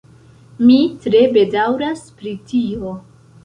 Mi tre bedaŭras pri tio.